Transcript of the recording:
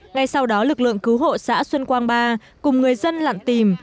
ngay sau đó lực lượng cứu hộ xã xuân quang ba cùng người dân lặn tìm